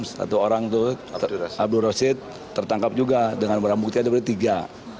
satu orang itu abdur rashid tertangkap juga dengan berambutnya dari tiga